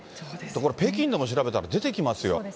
だから北京でも調べたら出てきますよ。